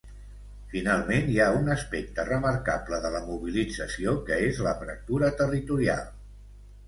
Finalment, hi ha un aspecte remarcable de la mobilització, que és la fractura territorial.